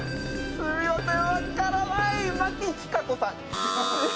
すいません。